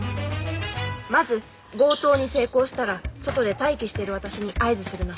まず強盗に成功したら外で待機してる私に合図するの。